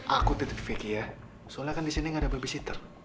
aku titip fikih ya soalnya kan di sini gak ada babysitter